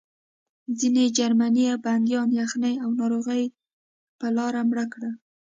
ځینې جرمني بندیان یخنۍ او ناروغۍ په لاره مړه کړل